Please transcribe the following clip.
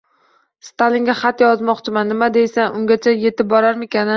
— Stalinga xat yozmoqchiman, nima deysan, ungacha yetib borarmikan-a?